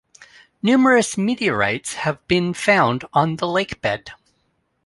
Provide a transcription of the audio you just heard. Numerous meteorites have been found on the lake bed.